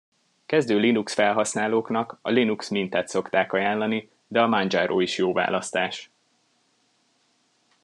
Kezdő Linux felhasználóknak a Linux Mintet szokták ajánlani, de a Manjaro is jó választás.